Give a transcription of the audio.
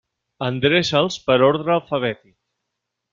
Endreça'ls per ordre alfabètic.